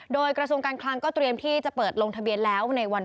โดยกระทรวงการคลังก็เตรียมที่จะเปิดลงทะเบียนแล้วในวัน